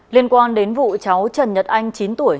liên quan đến vụ cháu trần nhật anh chín tuổi